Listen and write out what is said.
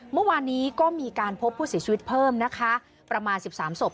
เมื่อวานนี้ก็มีการพบผู้เสียชีวิตเพิ่มนะคะประมาณ๑๓ศพ